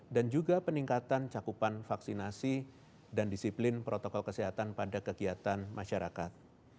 dan juga peningkatan cakupan vaksinasi dan disiplin protokol kesehatan pada kegiatan masyarakat